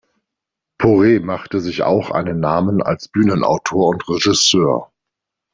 Poiret machte sich auch einen Namen als Bühnenautor und Regisseur.